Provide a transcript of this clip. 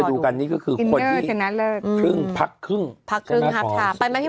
อืม